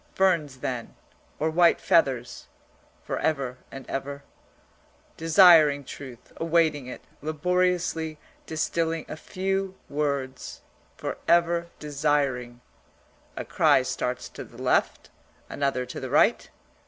Ferns then, or white feathers, for ever and ever Desiring truth, awaiting it, laboriously distilling a few words, for ever desiring (a cry starts to the left, another to the right.